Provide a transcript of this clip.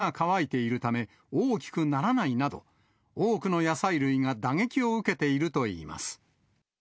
ほかにも、ネギの葉っぱが変色、里芋も土が乾いているため、大きくならないなど、多くの野菜類が打撃を受けているといいます。